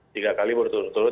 tiga kali berturut turut